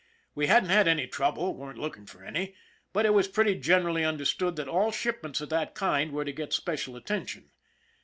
We hadn't had any trouble, weren't looking for any, but it was pretty generally understood that all shipments of that kind were to get special attention.